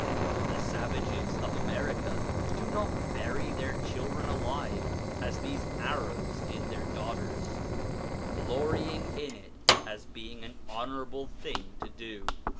The savages of America do not bury their children alive as these Arabs did their daughters, glorying in it as being an honourable thing to do.